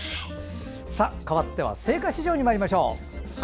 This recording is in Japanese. かわっては青果市場にまいりましょう。